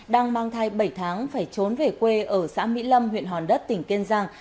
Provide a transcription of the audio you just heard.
đang mang thai bảy tháng phải trốn về quê ở xã mỹ lâm huyện hòn đất tỉnh kiên giang